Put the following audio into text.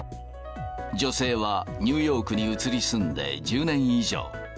女性はニューヨークに移り住んで１０年以上。